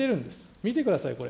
見てください、これ。